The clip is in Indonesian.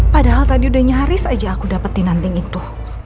padahal tadi udah nyaris aja aku dapetin nanti itu